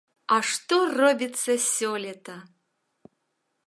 А што робіцца сёлета!